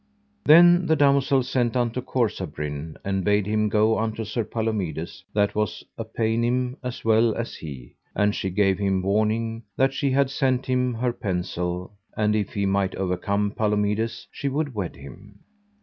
Then the damosel sent unto Corsabrin, and bade him go unto Sir Palomides that was a paynim as well as he, and she gave him warning that she had sent him her pensel, and if he might overcome Palomides she would wed him.